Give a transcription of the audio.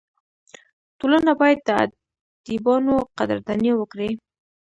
ټولنه باید د ادیبانو قدرداني وکړي.